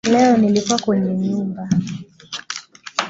Leo nilikuwa kwenye nyumba